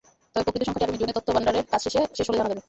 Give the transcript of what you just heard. তবে প্রকৃত সংখ্যাটি আগামী জুনে তথ্যভান্ডারের কাজ শেষ হলে জানা যাবে।